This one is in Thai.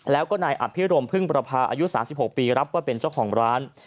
แล้วก็นายอภิรมพึ่งประพาอายุ๓๖ปีรับว่าเป็นเจ้าของร้าน